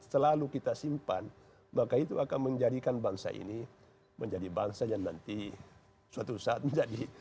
selalu kita simpan maka itu akan menjadikan bangsa ini menjadi bangsa yang nanti suatu saat menjadi